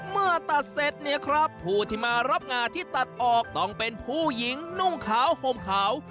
เมื่อตัดเสร็จเนี่ยครับผู้ที่มารับงาที่ตัดออกต้องเป็นผู้หญิงนุ่งขาวห่มขาว